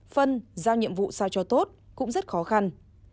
phân giao nhiệm vụ sao cho tốt cũng rất khó khăn